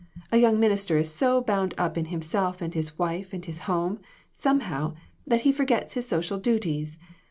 A young minister is so bound up in himself and his wife and his home, somehow, that he forgets his social duties.